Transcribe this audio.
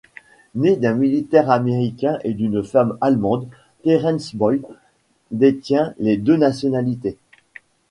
Né d'un militaire américain et d'une femme allemande, Terrence Boyd détient les deux nationalités.